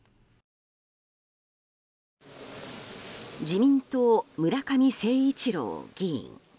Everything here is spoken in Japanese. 自民党、村上誠一郎議員。